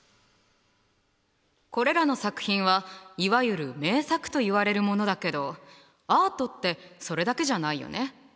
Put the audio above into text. これらの作品はいわゆる「名作」といわれるものだけどアートってそれだけじゃないよね。